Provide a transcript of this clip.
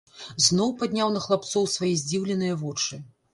Зноў падняў на хлапцоў свае здзіўленыя вочы.